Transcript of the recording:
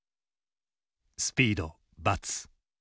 「スピード×」。